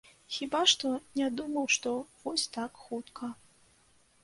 Хіба што не думаў, што вось так хутка.